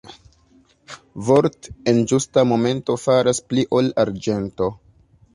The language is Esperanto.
Vort' en ĝusta momento faras pli ol arĝento.